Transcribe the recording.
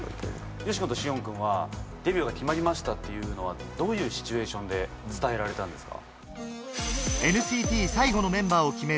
ユウシ君とシオン君はデビューが決まりましたっていうのはどういうシチュエーションで伝えられたんですか？